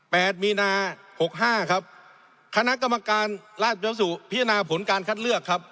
ดมีนาหกห้าครับคณะกรรมการราชสุพิจารณาผลการคัดเลือกครับ